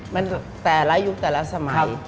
มันแต่ละยุคแต่ละสมัย